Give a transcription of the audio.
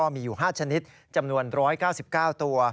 มีอยู่๕ชนิดจำนวน๑๙๙ตัว